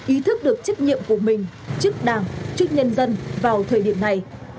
ý thức được trách nhiệm của mình chức đảng chức nhân dân vào thời điểm này